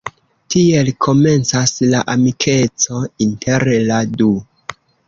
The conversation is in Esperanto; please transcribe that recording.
Tiel komencas la amikeco inter la du.